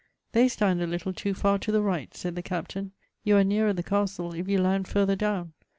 " They stand a little too far to the right," said the Captain. " You are nearer the castle if you land further down.